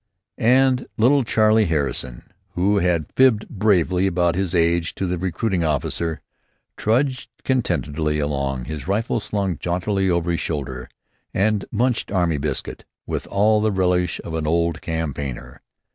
And little Charley Harrison, who had fibbed bravely about his age to the recruiting officers, trudged contentedly along, his rifle slung jauntily over his shoulder, and munched army biscuit with all the relish of an old campaigner.